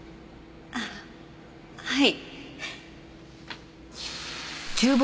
あっはい。